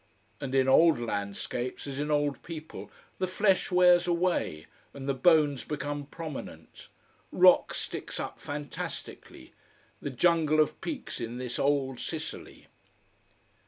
And in old landscapes, as in old people, the flesh wears away, and the bones become prominent. Rock sticks up fantastically. The jungle of peaks in this old Sicily.